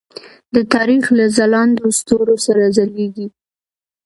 د تاریخ له ځلاندو ستورو سره ځلیږي.